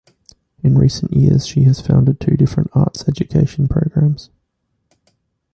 In recent years, she has founded two different arts education programs.